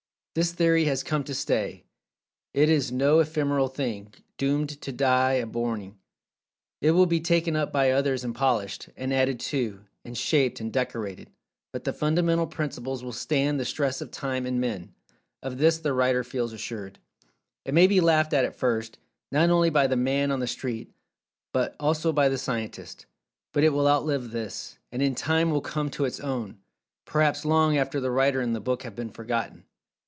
This theory has come to stay. It is no[Pg 230] ephemeral thing, doomed to "die a borning." It will be taken up by others and polished, and added to, and shaped, and "decorated"—but the fundamental principles will stand the stress of Time and Men. Of this the writer feels assured. It may be laughed at at first, not only by the "man on the street," but also by the scientists. But it will outlive this, and in time will come to its own—perhaps long after the writer and the book have been forgotten.